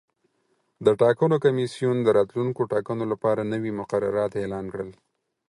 د ټاکنو کمیسیون د راتلونکو ټاکنو لپاره نوي مقررات اعلان کړل.